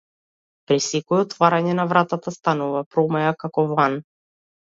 При секое отворање на вратата станува промаја како во ан.